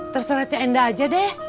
terus ngacau enda aja deh